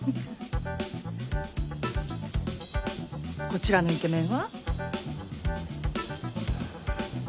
こちらのイケメンは？